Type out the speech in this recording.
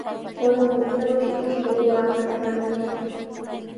Corongotrawshi ishkay waakata rantishqa.